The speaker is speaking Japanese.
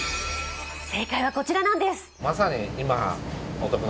正解はこちらなんです。